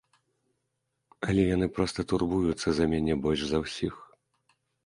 Але яны проста турбуюцца за мяне больш за ўсіх.